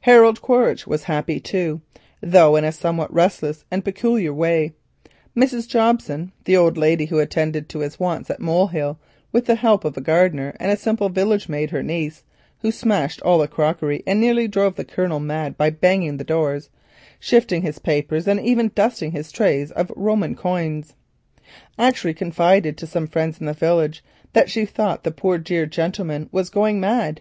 Harold Quaritch was happy too, though in a somewhat restless and peculiar way. Mrs. Jobson (the old lady who attended to his wants at Molehill, with the help of a gardener and a simple village maid, her niece, who smashed all the crockery and nearly drove the Colonel mad by banging the doors, shifting his papers and even dusting his trays of Roman coins) actually confided to some friends in the village that she thought the poor dear gentleman was going mad.